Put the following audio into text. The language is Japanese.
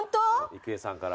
郁恵さんから。